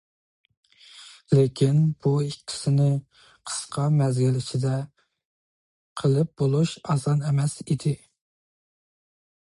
لېكىن بۇ ئىككىسىنى قىسقا مەزگىل ئىچىدە قىلىپ بولۇش ئاسان ئەمەس دېدى.